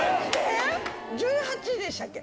１８でしたっけ？